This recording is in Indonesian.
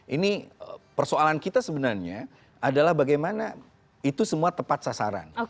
ini persoalan kita sebenarnya adalah bagaimana itu semua tepat sasaran